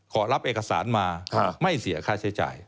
ขอรับเอกสารมาไม่เสียค่าใช้จ่าย